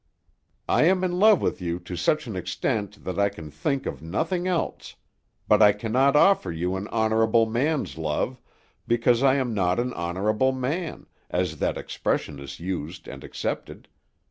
I am in love with you to such an extent that I can think of nothing else; but I cannot offer you an honorable man's love, because I am not an honorable man, as that expression is used and accepted.